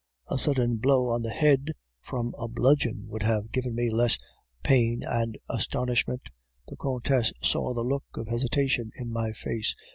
"A sudden blow on the head from a bludgeon would have given me less pain and astonishment. The Countess saw the look of hesitation in my face.